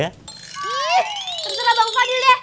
ih terserah bangku padil ya